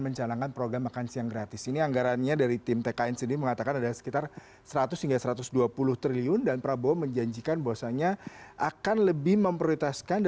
pemirsa pemerintahan prabowo gibran